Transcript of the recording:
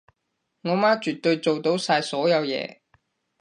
我媽絕對做到晒所有嘢